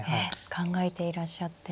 考えていらっしゃって。